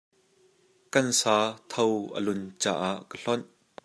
Kan sa tho a lun caah ka hlonh.